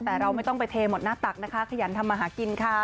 แต่เราไม่ต้องไปเทหมดหน้าตักนะคะขยันทำมาหากินค่ะ